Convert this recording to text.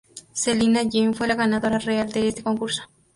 Selina Jen fue la ganadora real de este concurso.